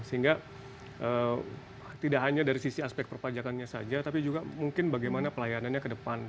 sehingga tidak hanya dari sisi aspek perpajakannya saja tapi juga mungkin bagaimana pelayanannya ke depan